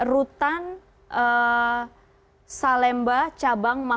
pusat yang dikenal sebagai pusat pusat